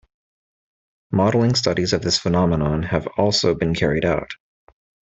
Modeling studies of this phenomenon have also been carried out.